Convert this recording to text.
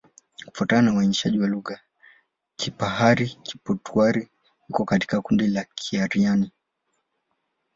Kufuatana na uainishaji wa lugha, Kipahari-Kipotwari iko katika kundi la Kiaryan.